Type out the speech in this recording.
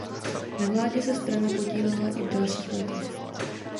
Na vládě se strana podílela i v dalších letech.